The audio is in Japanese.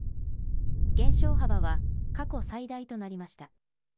減少幅は過去最大となりました。